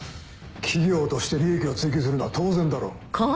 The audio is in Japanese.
企業として利益を追求するのは当然だろう。